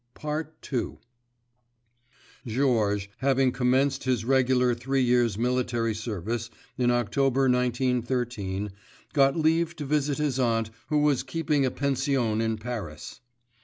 II Georges, having commenced his regular three years' military service in October, 1913, got leave to visit his aunt who was keeping a pension in Paris.